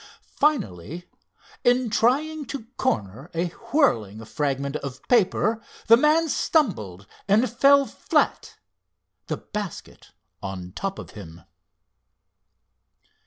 Finally, in trying to corner a whirling fragment of paper, the man stumbled and fell flat, the basket on top of him.